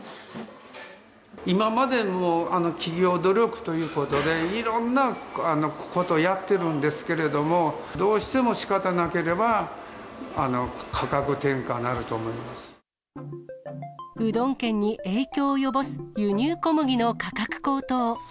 今までも企業努力ということで、いろんなことやってるんですけれども、どうしてもしかたなければ、うどん県に影響を及ぼす輸入小麦の価格高騰。